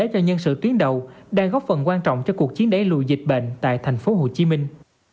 cho nhân sự tuyến đầu đang góp phần quan trọng cho cuộc chiến đẩy lùi dịch bệnh tại thành phố hồ chí minh